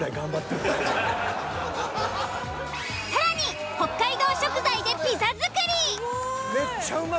更に北海道食材でピザづくり！